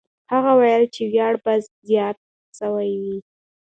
هغه وویل چې ویاړ به زیات سوی وای.